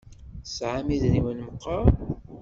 Tesɛam idrimen meqqar?